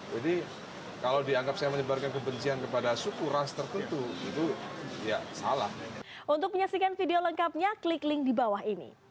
jadi kalau dianggap saya menyebarkan kebencian kepada suku ras tertentu itu ya salah